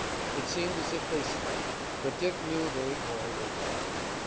It seemed as if they slept, but Dick knew that all were dead.